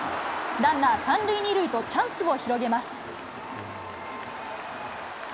ランナー３塁２塁と、チャンスを広げます。